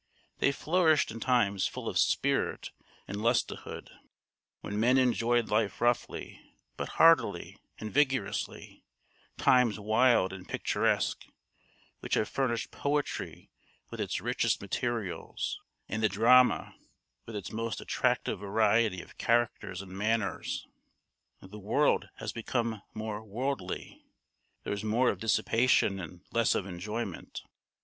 They flourished in times full of spirit and lustihood, when men enjoyed life roughly, but heartily and vigorously; times wild and picturesque, which have furnished poetry with its richest materials, and the drama with its most attractive variety of characters and manners. The world has become more worldly. There is more of dissipation, and less of enjoyment.